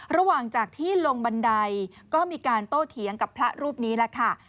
ระหว่างจากที่ลงบันไดก็มีการโต้เถียงกับพระรูปนี้แหละค่ะ